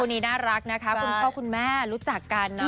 วันนี้น่ารักนะคะคุณพ่อคุณแม่รู้จักกันนะ